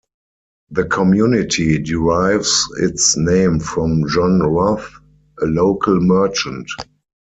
The community derives its name from John Roth, a local merchant.